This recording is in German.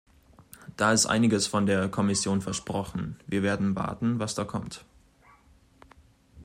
Da ist einiges von der Kommission versprochen, wir werden warten, was da kommt.